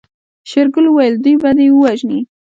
شېرګل وويل دوی به دې ووژني.